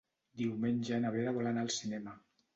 Diumenge na Vera vol anar al cinema.